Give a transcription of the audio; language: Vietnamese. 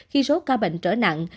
khi số ca bệnh trở nặng